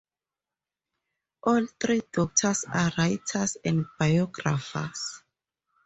All three daughters are writers and biographers.